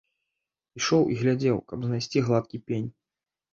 Ішоў і глядзеў, каб знайсці гладкі пень.